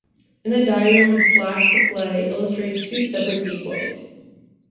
In the diagram, with Black to play, illustrates two separate decoys.